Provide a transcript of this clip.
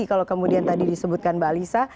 kalau kemudian tadi disebutkan mbak alisa